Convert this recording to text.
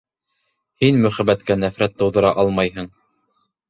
Һин мөхәббәткә нәфрәт тыуҙыра алмайһың!